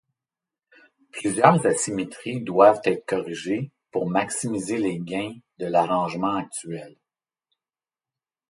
Plusieurs asymétries doivent être corrigées pour maximiser les gains de l’arrangement actuel.